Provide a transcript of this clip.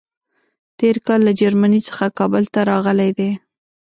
تېر کال له جرمني څخه کابل ته راغلی دی.